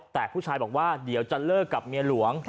แต่ผู้ชายบอกว่าเดี๋ยวจะเลิกกับเมียหลวง